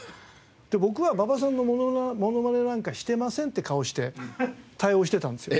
で僕は馬場さんのモノマネなんかしてませんって顔して対応してたんですよ。